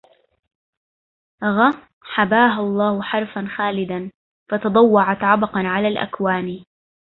غة حباها الله حرفا خالدا ….. فتضوعت عبقا على الأكوان